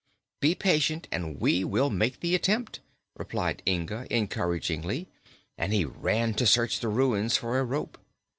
"Be patient and we will make the attempt," replied Inga encouragingly, and he ran to search the ruins for a rope.